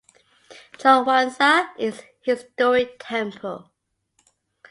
Cheongwansa is a historic temple.